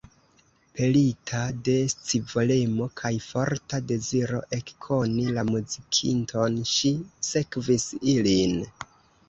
Pelita de scivolemo kaj forta deziro ekkoni la muzikinton, ŝi sekvis ilin.